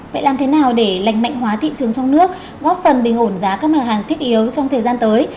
vậy làm thế nào để lành mạnh hóa thị trường trong nước góp phần bình ổn giá các mặt hàng thiết yếu trong thời gian tới